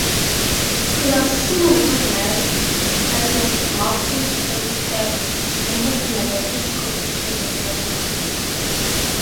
He was soon recognized as a multifaceted entertainer by his schoolteachers and classmates.